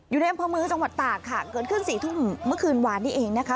อยู่ในอำเภอเมืองจังหวัดตากค่ะเกิดขึ้นสี่ทุ่มเมื่อคืนวานนี้เองนะคะ